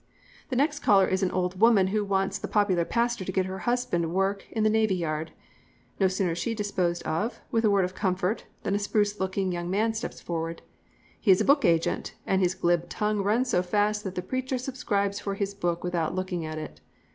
"The next caller is an old woman who wants the popular pastor to get her husband work in the Navy Yard. No sooner is she disposed of, with a word of comfort, than a spruce looking young man steps forward. He is a book agent, and his glib tongue runs so fast that the preacher subscribes for his book without looking at it.